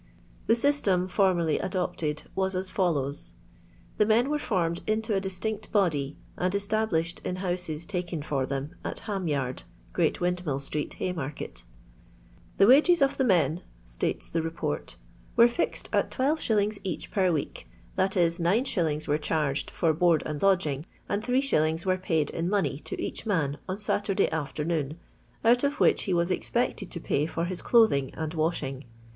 The system formeriy adopted was as fol lows:— The men were formed into, a distinct body, and established in houses taken for them in Ham yard, Qreat Wiadmill street, Haymarket "The wages of the men," states theHeport, "were fixed at 12j. eaeh per wiA; that is, 9t. were charged for board and lodging, and 3i. were paid in money to each man on Saturday afternoon, out of which he was expected to pay for his clothing and washing.